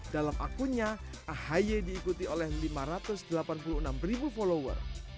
dalam akunnya ahi diikuti oleh lima ratus delapan puluh enam ribu follower